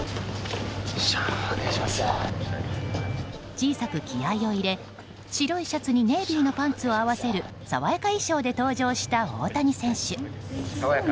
小さく気合を入れ白いシャツにネイビーのパンツを合わせる爽やか衣装で登場した大谷選手。